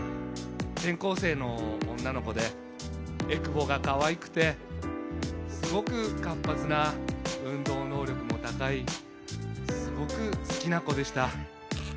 転校生の女の子で、えくぼがかわいくてすごく活発な、運動能力も高い、すごく好きな子でした。